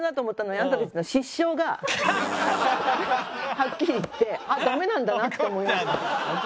はっきり言ってあっダメなんだなって思いました。